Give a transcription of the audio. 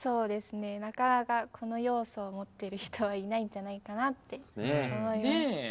なかなかこの要素を持ってる人はいないんじゃないかなって思います。